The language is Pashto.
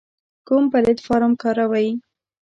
کوم پلتفارم کاروئ؟